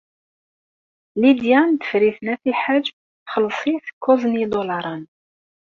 Lidya n Tifrit n At Lḥaǧ txelleṣ-it kuẓ n yidulaṛen.